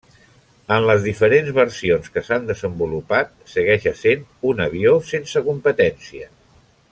En les diferents versions que s'han desenvolupat, segueix essent un avió sense competència.